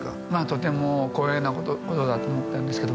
とても光栄なことだと思ったんですけど